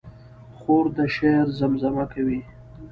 خور د شعر زمزمه کوي.